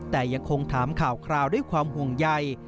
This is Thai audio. แต่ยังคงถามข่าวคราวด้วยความห่วงใย